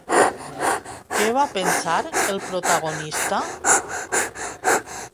Què va pensar el protagonista?